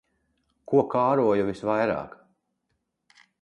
Ko kāroju visvairāk.